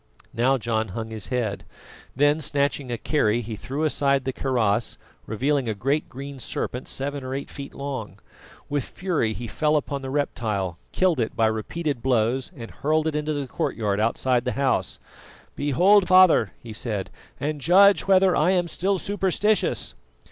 Now John hung his head; then snatching a kerry, he threw aside the kaross, revealing a great green serpent seven or eight feet long. With fury he fell upon the reptile, killed it by repeated blows, and hurled it into the courtyard outside the house. "Behold, father," he said, "and judge whether I am still superstitious."